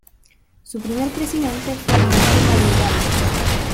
Su primer presidente fue Manuel Madrigal.